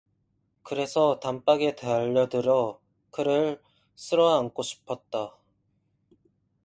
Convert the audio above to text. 그래서 단박에 달려들어 그를 쓸어안고 싶었다.